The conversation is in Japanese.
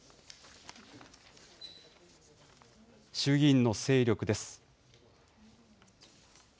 衆議院の勢力です。